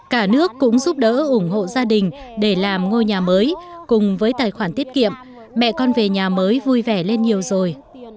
cả nước cũng giúp đỡ ủng hộ gia đình để làm ngôi nhà mới cùng với tài khoản tiết kiệm mẹ con về nhà mới vui vẻ lên nhiều rồi